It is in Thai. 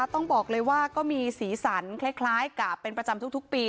ต้องบอกเลยว่าก็มีสีสันคล้ายกับเป็นประจำทุกปี